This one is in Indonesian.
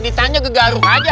ditanya gegaruk aja